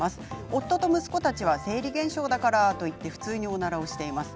夫と息子たちは生理現象だからといって普通に、おならをしています。